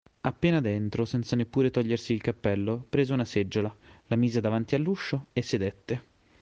Appena dentro, senza neppure togliersi il cappello, prese una seggiola, la mise davanti all'uscio e sedette.